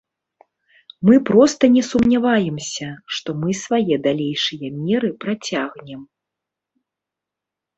Мы проста не сумняваемся, што мы свае далейшыя меры працягнем.